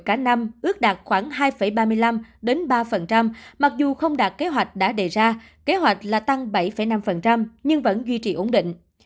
cả năm ước đạt khoảng hai ba mươi năm ba mặc dù không đạt kế hoạch đã đề ra kế hoạch là tăng bảy năm nhưng vẫn duy trì ổn định